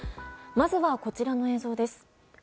まずはこちらの映像です。